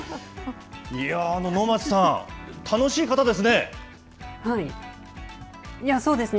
いやー、能町さん、楽しい方ですね。